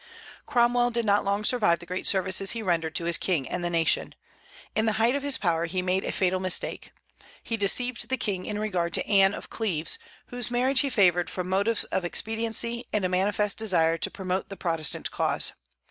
Cromwell did not long survive the great services he rendered to his king and the nation. In the height of his power he made a fatal mistake. He deceived the King in regard to Anne of Cleves, whose marriage he favored from motives of expediency and a manifest desire to promote the Protestant cause.